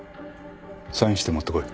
サインして持ってこい。